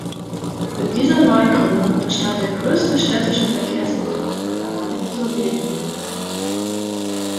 Mit dieser Neugründung entstand der größte städtische Verkehrsbetrieb der damaligen Sowjetunion.